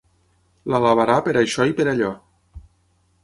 L'alabarà per això i per allò.